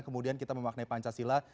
kemudian kita memaknai pancasila